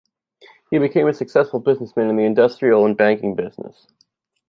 He became a successful businessman in the industrial and banking business.